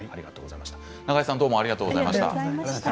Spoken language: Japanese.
永江さんありがとうございました。